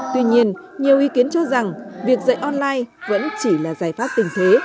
tuy nhiên nhiều ý kiến cho rằng việc dạy online vẫn chỉ là giải pháp tình thế